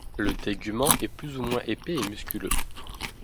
Le tégument est plus ou moins épais et musculeux.